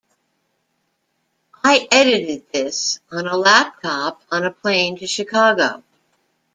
I edited this on a laptop on a plane to Chicago.